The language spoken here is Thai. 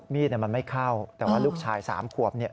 มีดมันไม่เข้าแต่ว่าลูกชาย๓ขวบเนี่ย